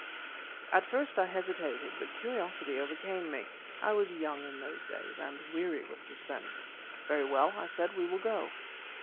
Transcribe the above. At first I hesitated, but curiosity overcame me. I was young in those days and weary with suspense. "Very well," I said, "we will go."